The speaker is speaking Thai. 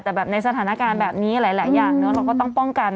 แต่แบบในสถานการณ์แบบนี้หลายอย่างเนอะเราก็ต้องป้องกัน